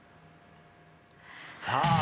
さあ